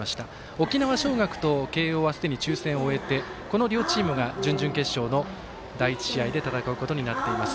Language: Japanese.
沖縄尚学と慶応はすでに抽せんを終えてこの両チームが準々決勝の第１試合で戦うことになっています。